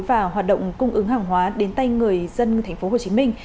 và hoạt động cung ứng hàng hóa đến tay người dân tp hcm